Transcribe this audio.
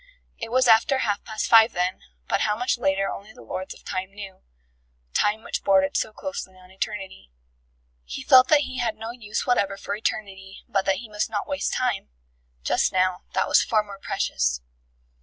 ... It was after half past five then, but how much later only the Lords of Time knew Time which bordered so closely on Eternity. He felt that he had no use whatever for Eternity but that he must not waste Time. Just now, that was far more precious.